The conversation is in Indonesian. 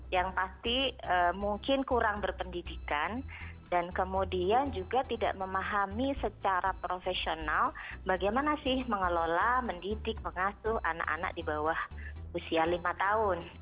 yang pasti mungkin kurang berpendidikan dan kemudian juga tidak memahami secara profesional bagaimana sih mengelola mendidik mengasuh anak anak di bawah usia lima tahun